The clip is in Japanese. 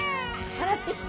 洗ってきて！